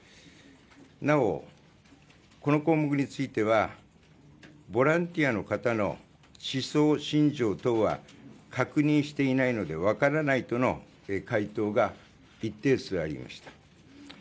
なお、この項目についてはボランティアの方の思想・信条等は確認していないので分からないとの回答が一定数ありました。